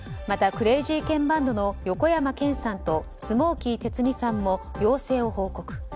また、クレイジーケンバンドの横山剣さんとスモーキー・テツニさんも陽性を報告。